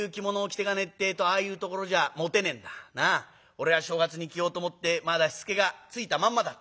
俺が正月に着ようと思ってまだしつけがついたまんまだった。